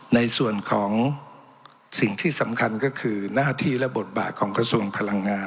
ในส่วนของสิ่งที่สำคัญก็คือหน้าที่และบทบาทของกระทรวงพลังงาน